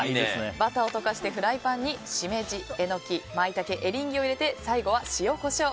バターを溶かしたフライパンにシメジ、エノキマイタケ、エリンギを入れて最後は塩、コショウ。